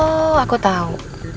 oh aku tau